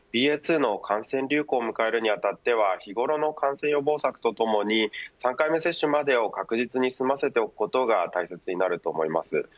ＢＡ．２の感染流行を迎えるに当たっては日頃の感染予防策とともに３回目接種までを確実に済ませておくことが大切になると思います。